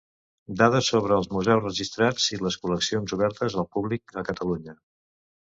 Dades sobre els museus registrats i les col·leccions obertes al públic a Catalunya.